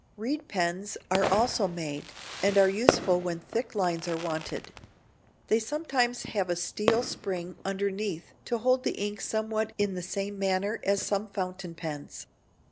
Reed pens are also made, and are useful when thick lines are wanted. They sometimes have a steel spring underneath to hold the ink somewhat in the same manner as some fountain pens.